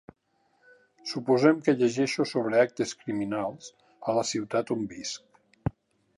Suposem que llegeixo sobre actes criminals a la ciutat on visc.